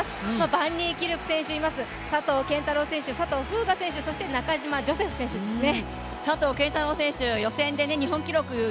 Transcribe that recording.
バンニーキルク選手います、佐藤拳太郎選手、佐藤風雅選手、中島ジョセフ選手ですね。